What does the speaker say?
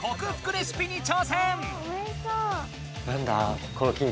レシピに挑戦！